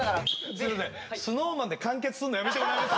すいませんＳｎｏｗＭａｎで完結すんのやめてもらえます？